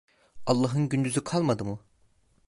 Allah'ın gündüzü kalmadı mı?